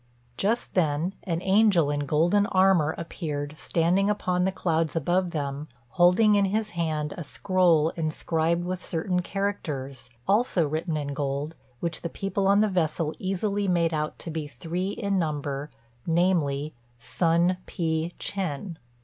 Just then, an angel in golden armour appeared standing upon the clouds above them, holding in his hand a scroll inscribed with certain characters, also written in gold, which the people on the vessel easily made out to be three in number, namely Sun Pi chên.